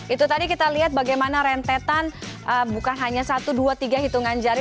itu tadi kita lihat bagaimana rentetan bukan hanya satu dua tiga hitungan jari